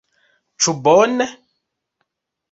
Ĉu bone?